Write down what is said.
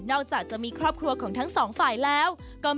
จากจะมีครอบครัวของทั้งสองฝ่ายแล้วก็